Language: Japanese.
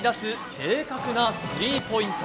正確なスリーポイント。